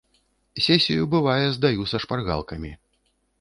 Сесію бывае здаю і са шпаргалкамі.